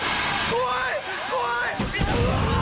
怖い！